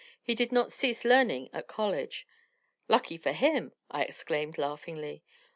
He did not cease learning at college." "Lucky for him," I exclaimed laughingly.